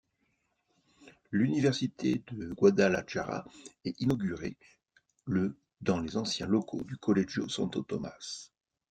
L'université de Guadalajara est inaugurée le dans les anciens locaux du Colegio Santo Tomás.